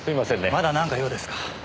まだ何か用ですか？